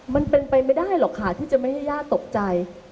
มันเป็นไปไม่ได้หรอกค่ะที่จะไม่ให้ย่าตกใจ